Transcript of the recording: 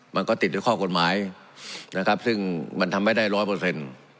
มันก็ติดด้วยข้อกฎหมายนะครับซึ่งมันทำไม่ได้ร้อยเปอร์เซ็นต์